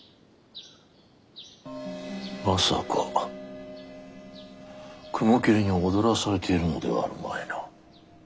まさか雲霧に踊らされているのではあるまいな。